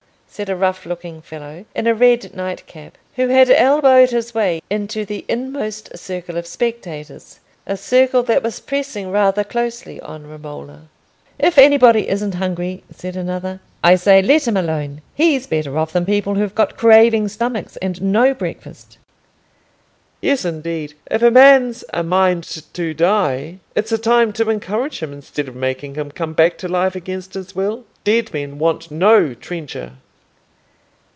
said a rough looking fellow, in a red night cap, who had elbowed his way into the inmost circle of spectators—a circle that was pressing rather closely on Romola. "If anybody isn't hungry," said another, "I say, let him alone. He's better off than people who've got craving stomachs and no breakfast." "Yes, indeed; if a man's a mind to die, it's a time to encourage him, instead of making him come back to life against his will. Dead men want no trencher."